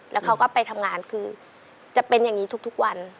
แล้วเขาก็ไปทำงานคือจะเป็นอย่างนี้ทุกวัน